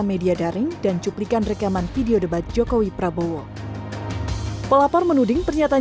media daring dan cuplikan rekaman video debat jokowi prabowo pelapor menuding pernyataan